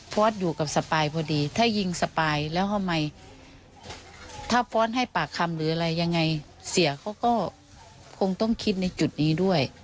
อยู่กับสปายพอดีถ้ายิงสปายแล้วทำไมถ้าฟอร์สให้ปากคำหรืออะไรยังไงเสียเขาก็คงต้องคิดในจุดนี้ด้วย